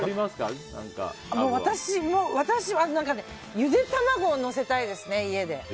ゆで卵をのせたいですね、家で。